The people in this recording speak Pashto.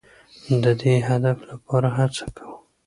د دې هدف لپاره هڅه کوو.